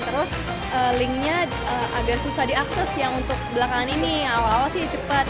terus linknya agak susah diakses yang untuk belakangan ini awal awal sih cepat